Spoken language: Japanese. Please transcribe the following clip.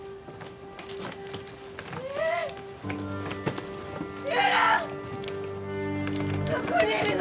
ねえゆらどこにいるの？